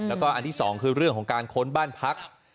แล้วก็อันที่สองคือเรื่องของการค้นบ้านพัก